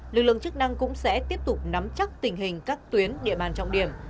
lực lượng chức năng cũng sẽ tiếp tục nắm chắc tình hình các tuyến địa bàn trọng điểm